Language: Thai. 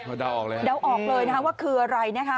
เดาออกเลยครับอืมเดาออกเลยนะครับว่าคืออะไรนะคะ